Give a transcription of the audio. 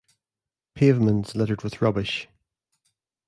Pavements littered with rubbish.